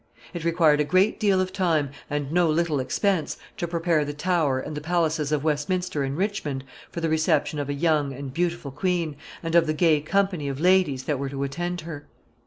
It required a great deal of time, and no little expense, to prepare the Tower and the palaces of Westminster and Richmond for the reception of a young and beautiful queen, and of the gay company of ladies that were to attend her.